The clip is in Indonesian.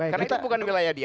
karena itu bukan wilayah dia